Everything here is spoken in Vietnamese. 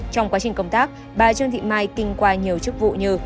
trong quá trình công tác bà trương thị mai kinh qua nhiều chức vụ như